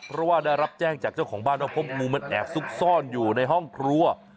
เพราะว่าได้รับแจ้งจากเจ้าของบ้านว่าพบงูมันแอบซุกซ่อนอยู่ในห้องครัว